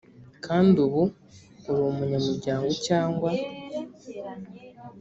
kandi ubu uri umunyamuryango cyangwa